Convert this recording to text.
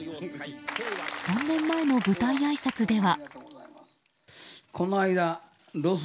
３年前の舞台あいさつでは。